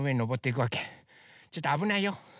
ちょっとあぶないよ。